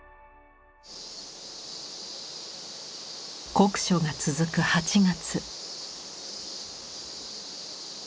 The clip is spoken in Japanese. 酷暑が続く８月。